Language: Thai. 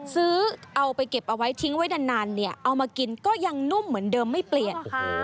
ซื้อเอาไปเก็บเอาไว้ทิ้งไว้นานเนี่ยเอามากินก็ยังนุ่มเหมือนเดิมไม่เปลี่ยน